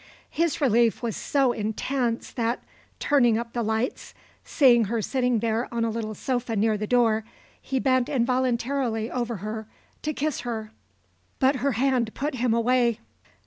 His relief was so intense that, turning up the lights, seeing her sitting there on a little sofa near the door, he bent involuntarily over her to kiss her. But her hand put him away.